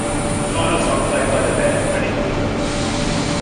The final song played by the band is Benny Goodman's version.